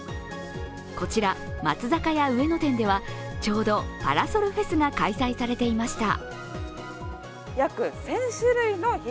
こちら松坂屋上野店ではちょうどパラソルフェスが開催されていました。